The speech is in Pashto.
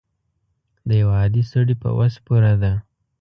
د یو عادي سړي په وس پوره ده.